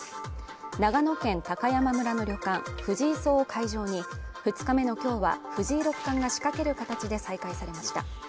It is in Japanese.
長野県高山村の旅館藤井荘を会場に２日目の今日は、藤井六冠が仕掛ける形で再開されました。